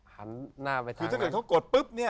ว่าถ้าเกิดเค้ากดปุ๊บเนี่ย